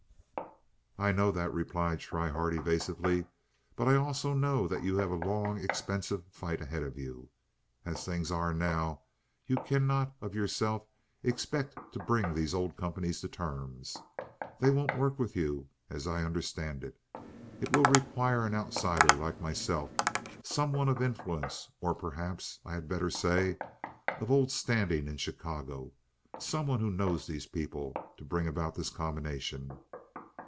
"I know that," replied Schryhart, evasively, "but I also know that you have a long, expensive fight ahead of you. As things are now you cannot, of yourself, expect to bring these old companies to terms. They won't work with you, as I understand it. It will require an outsider like myself—some one of influence, or perhaps, I had better say, of old standing in Chicago, some one who knows these people—to bring about this combination.